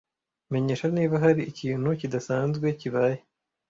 Menyesha niba hari ikintu kidasanzwe kibaye.